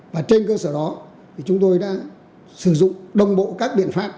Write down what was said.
và trên cơ sở đó thì chúng tôi đã sử dụng đồng bộ các biện pháp